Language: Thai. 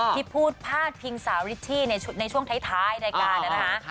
ที่พูดพาดพิงสาวริชชี่ในช่วงท้ายรายการนะคะ